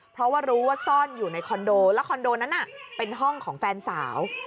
เพราะว่ารู้ว่าซ่อนอยู่ในคอนโดแล้วคอนโดนั้นเป็นห้องของแฟนสาว